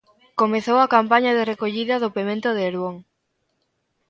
Comezou a campaña de recollida do pemento de Herbón.